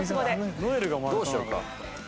どうしようか？